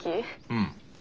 うん。